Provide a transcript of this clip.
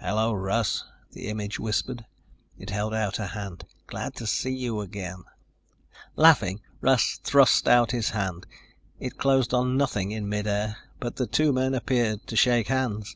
"Hello, Russ," the image whispered. It held out a hand. "Glad to see you again." Laughing, Russ thrust out his hand. It closed on nothing in mid air, but the two men appeared to shake hands.